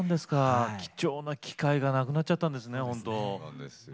貴重な機会がなくなっちゃったんですね。